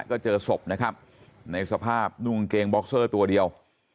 ก็เจอศพนะครับในสภาพนุ่งกางเกงบ็อกเซอร์ตัวเดียว